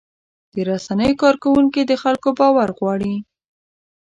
د رسنیو کارکوونکي د خلکو باور غواړي.